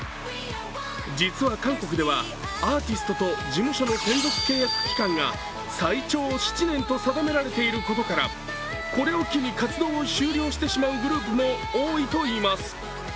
実は韓国では、アーティストと事務所の専属契約期間が最長７年と定められていることからこれを機に活動を終了してしまうグループも多いといいます。